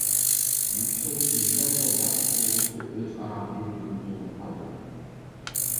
يۈكسەك ئىززەت ۋە بەخت تۇيغۇسى ئۆزئارا بىر-بىرىنى تولۇقلايدۇ.